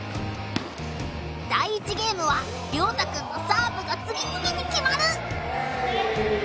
第１ゲームは凌大くんのサーブが次々に決まる！